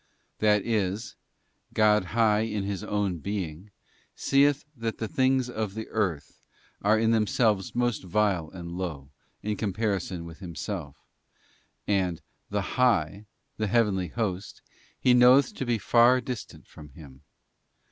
{ That is, God high in His own Being, seeth that the things of the earth are in themselves most vile and low, in comparison with Himself; and ' the high,' the heavenly host, He knoweth to be far dis tant from Him.